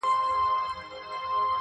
ولایت او قوم استازي ګڼي